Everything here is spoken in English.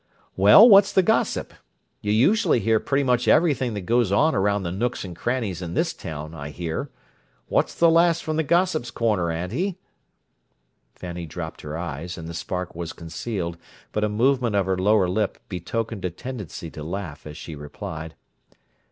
"Well, what's the gossip? You usually hear pretty much everything that goes on around the nooks and crannies in this town, I hear. What's the last from the gossips' corner, auntie?" Fanny dropped her eyes, and the spark was concealed, but a movement of her lower lip betokened a tendency to laugh, as she replied.